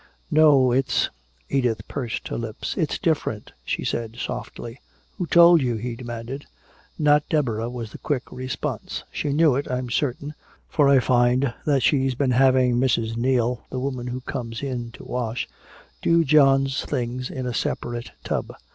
"No, it's " Edith pursed her lips. "It's different," she said softly. "Who told you?" he demanded. "Not Deborah," was the quick response. "She knew it, I'm certain, for I find that she's been having Mrs. Neale, the woman who comes in to wash, do John's things in a separate tub.